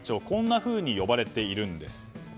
こんなふうに呼ばれているんです。